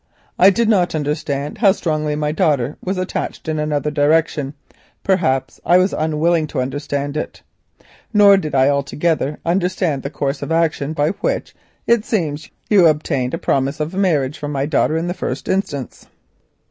I did not understand how strongly my daughter was attached in another direction, perhaps I was unwilling to understand it. Nor did I altogether understand the course of action by which it seems you obtained a promise of marriage from my daughter in the first instance.